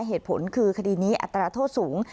เหตุผลคือคดีนี้อัตราโทษสูง